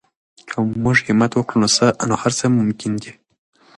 که موږ همت وکړو نو هر څه ممکن دي.